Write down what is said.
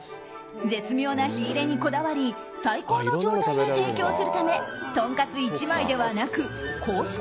絶妙な火入れにこだわり最高の状態で提供するためとんかつ１枚ではなくコース